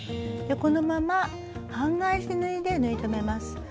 このまま半返し縫いで縫い留めます。